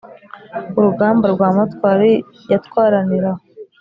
urugamba rwa matwari yatwaranira ho